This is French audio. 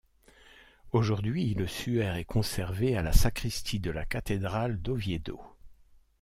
Aujourd'hui le Suaire est conservé à la sacristie de la cathédrale d'Oviedo.